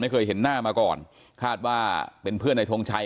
เคยเห็นหน้ามาก่อนคาดว่าเป็นเพื่อนในทงชัย